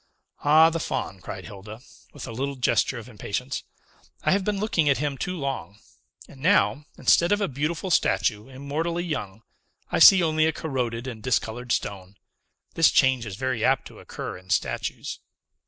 "Ah, the Faun!" cried Hilda, with a little gesture of impatience; "I have been looking at him too long; and now, instead of a beautiful statue, immortally young, I see only a corroded and discolored stone. This change is very apt to occur in statues."